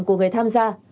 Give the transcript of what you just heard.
của người tham gia